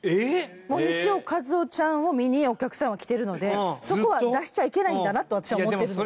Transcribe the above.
もう西尾一男ちゃんを見にお客さんは来てるのでそこは出しちゃいけないんだなと私は思ってるので。